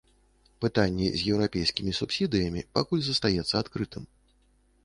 Пытанне з еўрапейскімі субсідыямі пакуль застаецца адкрытым.